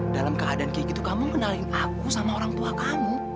dalam keadaan kayak gitu kamu kenalin aku sama orang tua kamu